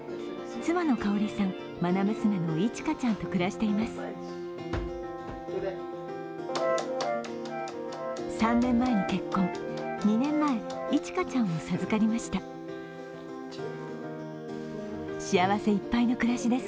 妻のかおりさん、愛娘のいちかちゃんと暮らしています。